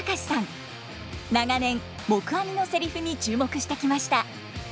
長年黙阿弥のセリフに注目してきました。